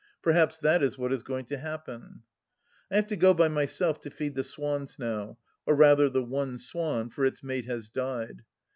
Perhaps that is what is going to happen ! I have to go by myself to feed the swans now — or rather the one swan, for its mate has died.